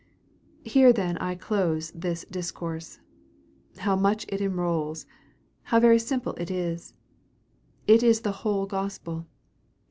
Here then I close this discourse. How much it enrolls! How very simple it is! It is the whole gospel.